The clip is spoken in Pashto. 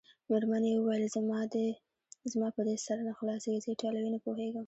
مېرمنې وویل: زما په دې سر نه خلاصیږي، زه ایټالوي نه پوهېږم.